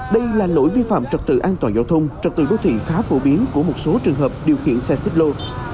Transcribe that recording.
đây là lỗi vi phạm trật tự an toàn giao thông trật tự đô thị khá phổ biến của một số trường hợp điều khiển xe xích lô